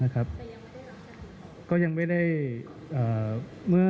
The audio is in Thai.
แต่ยังไม่ได้รับคาติฐุ